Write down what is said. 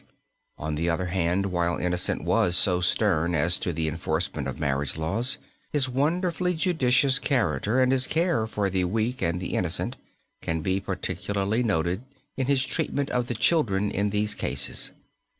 On the other hand, while Innocent was so stern as to the enforcement of marriage laws, his wonderfully judicious character and his care for the weak and the innocent can be particularly noted in his treatment of the children in these cases.